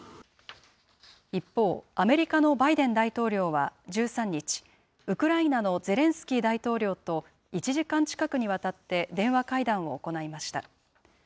一方、アメリカのバイデン大統領は１３日、ウクライナのゼレンスキー大統領と１時間近くにわたって電話会談を行いました。